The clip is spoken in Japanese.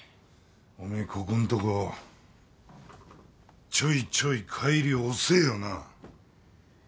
おめえここんとこちょいちょい帰り遅えよな。